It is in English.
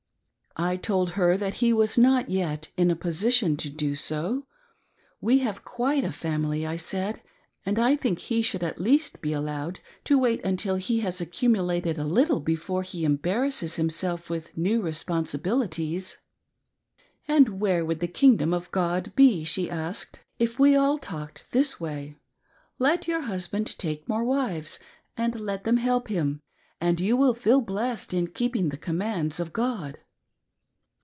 I told her that he was not yet in a position to do so. "We have quite a family," I said, "and I think he should at least be alloA*ed to wait until he has accumulated a little before he embarrasses himself with new responsibilities." "And where would the kingdom of God be," she asked, "if we had all talked in this way ? Let your husband take more wives, and let them help him, and you will feel blessed, in keeping the commands of God."